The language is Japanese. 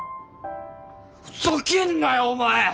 ふざけんなよお前！